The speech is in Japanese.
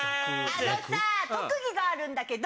あのさ特技があるんだけど。